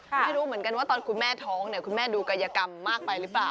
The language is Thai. ไม่รู้เหมือนกันว่าตอนคุณแม่ท้องเนี่ยคุณแม่ดูกายกรรมมากไปหรือเปล่า